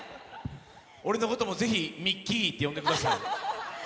俺のこともぜひ、ミッキーって呼んでください。